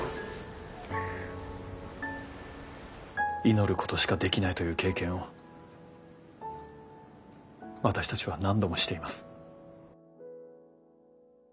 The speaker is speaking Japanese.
祈ることしかできないという経験を私たちは何度もしています。